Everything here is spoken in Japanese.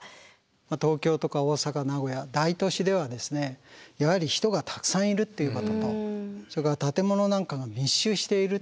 東京とか大阪名古屋大都市ではやはり人がたくさんいるっていうこととそれから建物なんかが密集している。